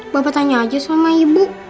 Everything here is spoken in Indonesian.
bapak tanya aja sama ibu